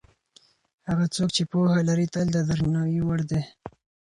هغه څوک چې پوهه لري تل د درناوي وړ دی.